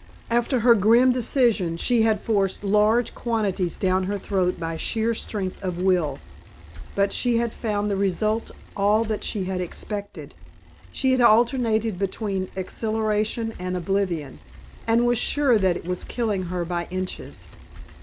After her grim decision she had forced large quantities down her throat by sheer strength of will. But she had found the result all that she had expected, she had alternated between exhilaration and oblivion, and was sure that it was killing her by inches.